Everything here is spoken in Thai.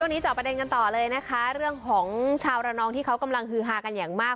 จอบประเด็นกันต่อเลยนะคะเรื่องของชาวระนองที่เขากำลังฮือฮากันอย่างมาก